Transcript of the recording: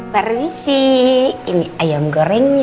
permisi ini ayam gorengnya